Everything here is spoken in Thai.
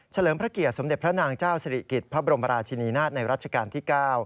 เลิมพระเกียรติสมเด็จพระนางเจ้าสิริกิจพระบรมราชินีนาฏในรัชกาลที่๙